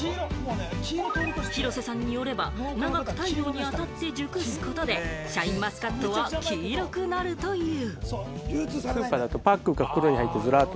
広瀬さんによれば、長く太陽に当たって熟すことで、シャインマスカットは黄色くなるという。